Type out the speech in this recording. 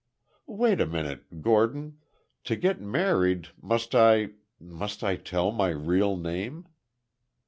"Wait a minute—Gordon—to get married—must I—must I tell my real name?"